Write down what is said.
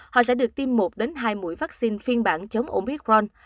họ sẽ được tiêm một đến hai mũi vaccine phiên bản chống omicron